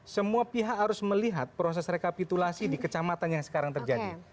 semua pihak harus melihat proses rekapitulasi di kecamatan yang sekarang terjadi